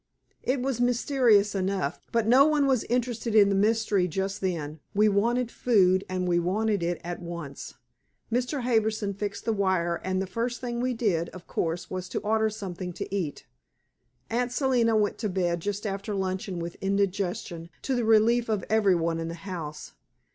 It was mysterious enough, but no one was interested in the mystery just then. We wanted food, and wanted it at once. Mr. Harbison fixed the wire, and the first thing we did, of course, was to order something to eat. Aunt Selina went to bed just after luncheon with indigestion, to the relief of every one in the house.